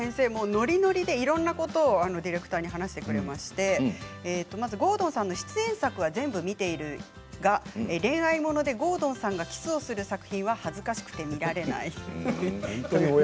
ノリノリでいろんなことをディレクターに話してくれまして郷敦さんの出演作は全部見ているが恋愛物で郷敦さんがキスする作品は恥ずかしくて見られない。